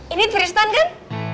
ini tristan kan